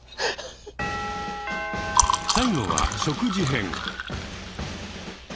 最後は食事編。